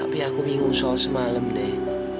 tapi aku bingung soal semalam deh